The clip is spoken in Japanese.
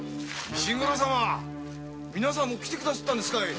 石黒様皆さんも来て下さったんですかい。